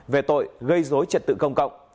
về tội gây dối trật tự công cộng